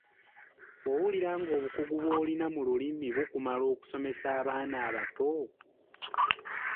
Owulira ng’obukugu bw’olina mu Lulimi bukumala okusomesa abaana abato?